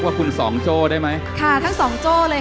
เพราะฉะนั้นเราทำกันเนี่ย